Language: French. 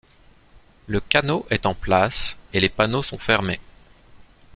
Le canot est en place, et les panneaux sont fermés.